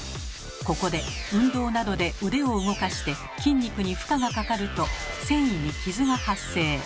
ここで運動などで腕を動かして筋肉に負荷がかかると線維に傷が発生。